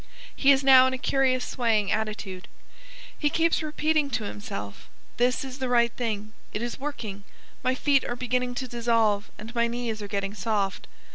He is now in a curious swaying attitude. He keeps repeating to himself, "This is the right thing, it is working, my feet are beginning to dissolve and my knees are getting soft."